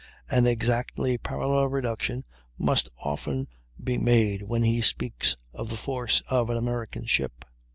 An exactly parallel reduction must often be made when he speaks of the force of an American ship.